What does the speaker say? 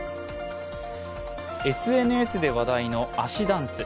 ＳＮＳで話題の足ダンス。